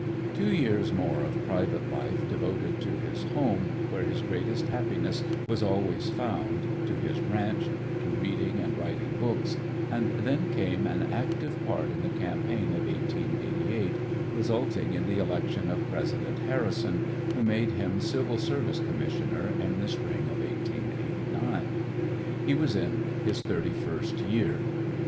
Two years more of private life, devoted to his home, where his greatest happiness was always found, to his ranch, to reading and writing books, and then came an active part in the campaign of 1888, resulting in the election of President Harrison, who made him civil service commissioner in the spring of 1889. He was in his thirty first year.